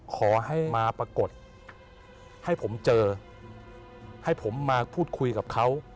ขอให้มาปรากฏให้ผมเจอให้ผมมาพูดคุยกับเขา